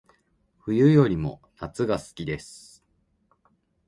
冬よりも夏が好きです